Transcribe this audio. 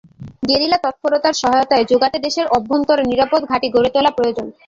Guerrilla তত্পরতায় সহায়তা জোগাতে দেশের অভ্যন্তরে নিরাপদ ঘাঁটি গড়ে তোলা প্রয়োজন।